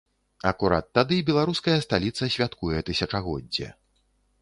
Акурат тады беларуская сталіца святкуе тысячагоддзе.